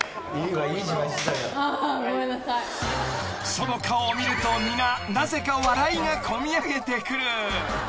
［その顔を見ると皆なぜか笑いが込み上げてくる］